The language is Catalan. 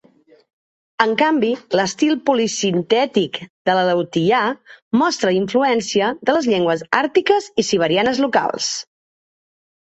En canvi, l'estil polisintètic de l'aleutià mostra influència de les llengües àrtiques i siberianes locals.